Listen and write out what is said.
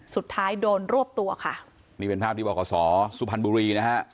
สุดท้ายโดนรวบตัวค่ะนี่เป็นภาพที่บอกขอสอสุพรรณบุรีนะฮะ